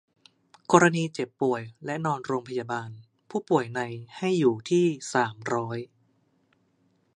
กรณีเจ็บป่วยและนอนโรงพยาบาล ผู้ป่วยใน ให้อยู่ที่ สามร้อย